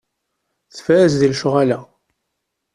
Tfaz deg lecɣal-a.